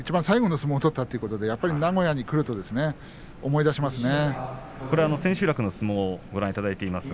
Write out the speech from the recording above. いちばん最後の相撲を取ったということで、やっぱり名古屋に来ると思い出しますね。